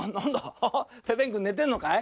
ベベンくんねてんのかい？